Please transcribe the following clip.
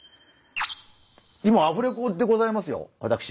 今アフレコでございますよ私。